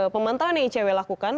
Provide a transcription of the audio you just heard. pemantauan yang icw lakukan